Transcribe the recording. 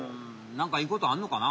なんかいいことあんのかな？